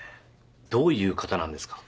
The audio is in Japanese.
どういう方なんですか？